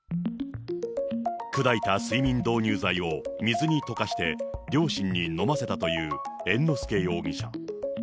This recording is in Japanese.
砕いた睡眠導入剤を水に溶かして両親に飲ませたという猿之助容疑者。